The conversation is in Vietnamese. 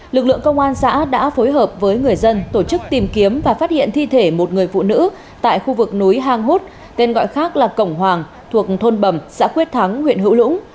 lực lượng công an xã đã phối hợp với người dân tổ chức tìm kiếm và phát hiện thi thể một người phụ nữ tại khu vực núi hang hút tên gọi khác là cổng hoàng thuộc thôn bầm xã quyết thắng huyện hữu lũng